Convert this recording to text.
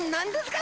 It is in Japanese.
か